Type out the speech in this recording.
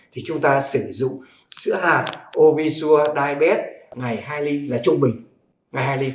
thì chúng ta sử dụng sữa hạt ovisur diabetes ngày hai ly là trung bình